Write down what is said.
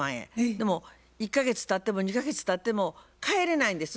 でも１か月たっても２か月たっても帰れないんです。